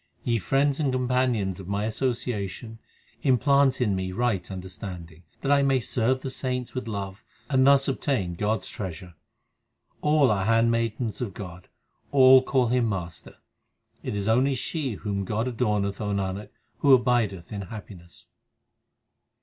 Ye friends and companions of my association, implant in me right understanding, That I may serve the saints with love, and thus obtain God s treasure. All are handmaidens of God ; all call Him Master, But it is only she whom God adorneth, O Nanak, who abideth in happiness.